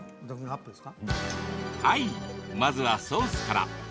はい、まずはソースから。